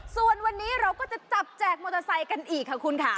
ส่วนวันนี้เราก็จะจับแจกมอเตอร์ไซค์กันอีกค่ะคุณค่ะ